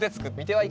はい。